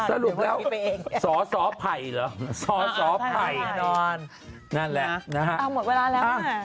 สรุปแล้วสสไผ่เหรอสสไผ่นอนนั่นแหละนะฮะเอาหมดเวลาแล้ว